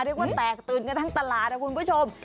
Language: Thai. เรียกว่าแตกตื่นกันทั้งตลาดนะคุณผู้ชม